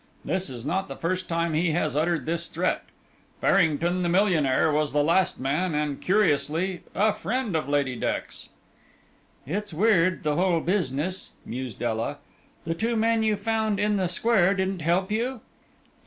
This is not the first time he has uttered this threat. Farrington, the millionaire, was the last man, and curiously, a friend of Lady Dex." "It's weird the whole business," mused Ela. "The two men you found in the square didn't help you?"